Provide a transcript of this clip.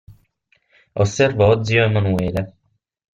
Osservò zio Emanuele.